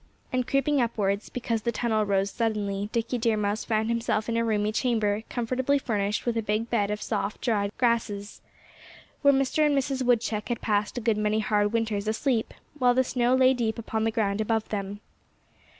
And creeping upwards, because the tunnel rose suddenly, Dickie Deer Mouse found himself in a roomy chamber, comfortably furnished with a big bed of soft, dried grasses, where Mr. and Mrs. Woodchuck had passed a good many hard winters asleep, while the snow lay deep upon the ground above them.